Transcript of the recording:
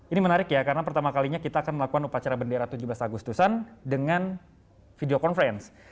ini menarik ya karena pertama kalinya kita akan melakukan upacara bendera tujuh belas agustusan dengan video conference